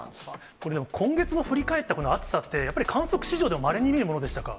これでも、今月を振り返って、暑さってやっぱり観測史上でもまれにみるものでしたか。